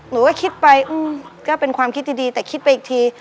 หนูก็คิดไปก็เป็นความคิดดีแต่คิดไปอีกที